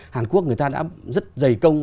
hàn quốc người ta đã rất dày công